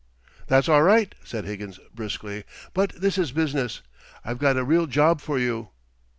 "That's all right," said Higgins briskly, "but this is business. I've got a real job for you."